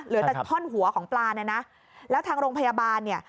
เหลือแต่ท่อนหัวของปลาเนี่ยนะแล้วทางโรงพยาบาลเนี่ย